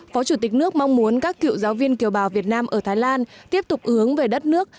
phó chủ tịch nước mong muốn các cựu giáo viên kiều bào việt nam ở thái lan tiếp tục hướng về đất nước